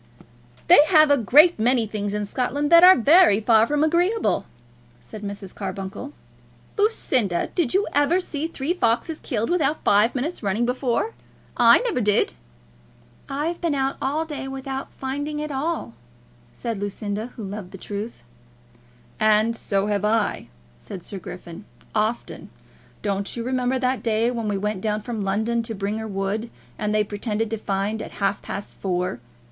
"They have a great many things in Scotland that are very far from agreeable," said Mrs. Carbuncle. "Lucinda, did you ever see three foxes killed without five minutes' running, before? I never did." "I've been out all day without finding at all," said Lucinda, who loved the truth. "And so have I," said Sir Griffin; "often. Don't you remember that day when we went down from London to Bringher Wood, and they pretended to find at half past four?